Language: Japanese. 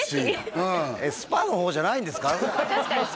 スパのほうじゃないんですか？